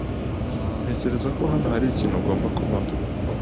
Ntekereza ko hano hari ikintu ugomba kubona.